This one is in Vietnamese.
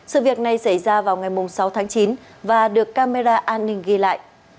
sự việc này xảy ra vào ngày sáu tháng chín và được camera an ninh ghi lại